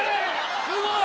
すごい！